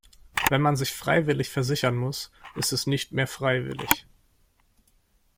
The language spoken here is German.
Wenn man sich freiwillig versichern muss, ist es nicht mehr freiwillig.